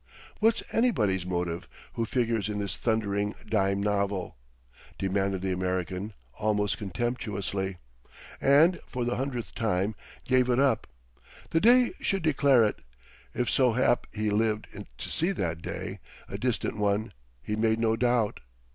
"What's anybody's motive, who figures in this thundering dime novel?" demanded the American, almost contemptuously. And for the hundredth time gave it up; the day should declare it, if so hap he lived to see that day: a distant one, he made no doubt.